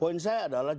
poin saya adalah